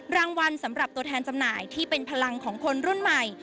รางวัลสำหรับตัวแทนจำหน่ายที่เป็นพลังของคนรุ่นใหม่